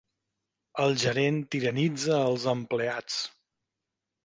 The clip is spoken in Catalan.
El gerent tiranitza els empleats.